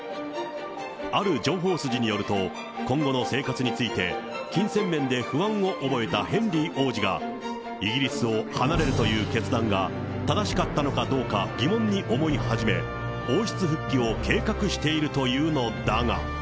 ある情報筋によると、今後の生活について、金銭面で不安を覚えたヘンリー王子が、イギリスを離れるという決断が正しかったのかどうか、疑問に思い始め、王室復帰を計画しているというのだが。